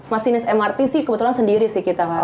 masinis mrt sih kebetulan sendiri sih kita